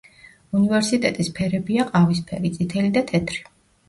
უნივერსიტეტის ფერებია ყავისფერი, წითელი და თეთრი.